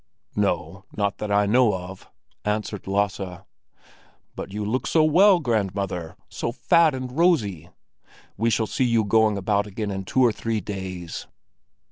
"No, not that I know of," answered Lasse. "But you look so well, grandmother, so fat and rosy! We shall see you going about again in two or three days."